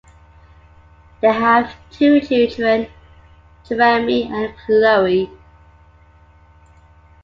They have two children: Jeremy and Chloe.